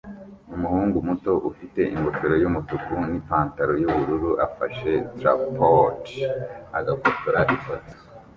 Umuhungu muto ufite ingofero yumutuku nipantaro yubururu afashe trapode agafotora ifoto